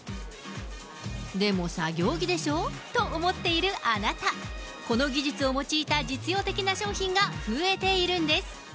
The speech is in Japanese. でも、作業着でしょ？と思っているあなた、この技術を用いた実用的な商品が増えているんです。